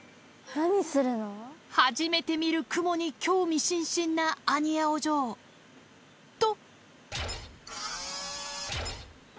初めて見るクモに興味津々なアニヤお嬢。と。